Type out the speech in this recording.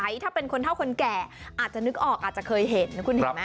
ใครถ้าเป็นคนเท่าคนแก่อาจจะนึกออกอาจจะเคยเห็น